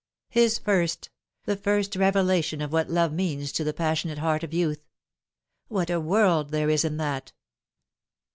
His first the first revelation of what love means to the pas sionate heart of youth. What a world there is in that